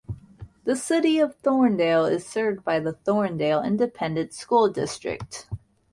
The City of Thorndale is served by the Thorndale Independent School District.